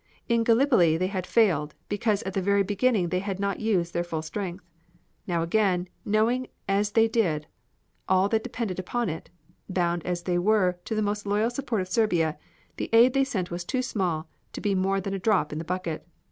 In Gallipoli they had failed, because at the very beginning they had not used their full strength. Now, again, knowing as they did all that depended upon it, bound as they were to the most loyal support of Serbia, the aid they sent was too small to be more than a drop in the bucket.